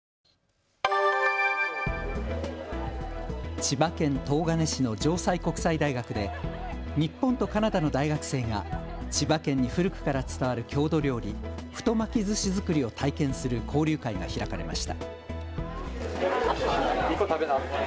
千葉県東金市の城西国際大学で日本とカナダの大学生が千葉県に古くから伝わる郷土料理、太巻きずし作りを体験する交流会が開かれました。